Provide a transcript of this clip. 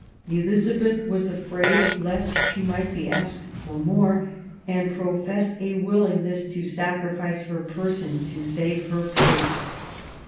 Elizabeth was afraid lest she might be asked for more, and pro fessed a willingness to sacrifice her person to save her purse.